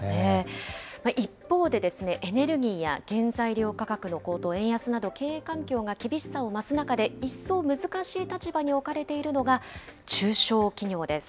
一方で、エネルギーや原材料価格の高騰、円安など、経営環境が厳しさを増す中で、一層難しい立場に置かれているのが、中小企業です。